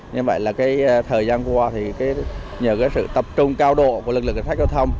như vậy là thời gian qua nhờ sự tập trung cao độ của lực lượng chính sách giao thông